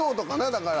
だから。